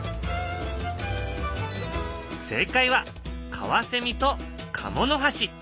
正解はカワセミとカモノハシ。